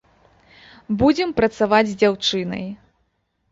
Будзем працаваць з дзяўчынай.